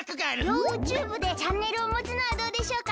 ヨウＴＵＢＥでチャンネルをもつのはどうでしょうか？